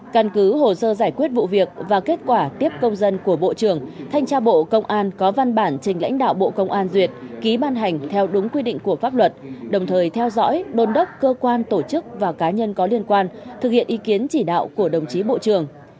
căn cứ hồ sơ giải quyết vụ việc và kết quả tiếp công dân của bộ trưởng thanh tra bộ công an có văn bản trình lãnh đạo bộ công an duyệt ký ban hành theo đúng quy định của pháp luật đồng thời theo dõi đôn đốc cơ quan tổ chức và cá nhân có liên quan thực hiện ý kiến chỉ đạo của đồng chí bộ trưởng